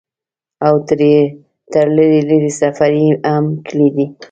او تر لرې لرې سفرې هم کړي دي ۔